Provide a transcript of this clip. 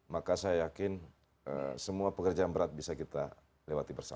maka saya yakin semua pekerjaan berat bisa kita lewati bersama